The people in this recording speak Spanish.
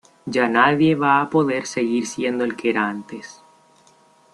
Ya nadie va a poder seguir siendo el que era antes.